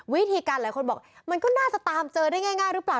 วิธีการหลายคนบอกมันก็น่าจะตามเจอได้ง่ายหรือเปล่า